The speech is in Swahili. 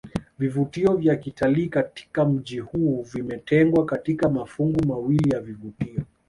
Vivutio vya kitalii katika mji huu vimetengwa katika mafungu mawili ya vivutio